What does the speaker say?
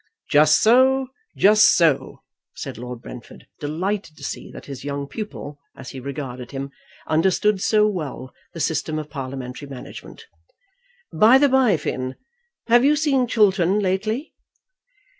"Just so; just so," said Lord Brentford, delighted to see that his young pupil, as he regarded him, understood so well the system of parliamentary management. "By the bye, Finn, have you seen Chiltern lately?"